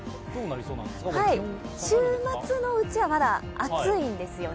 週末のうちはまだ暑いんですよね。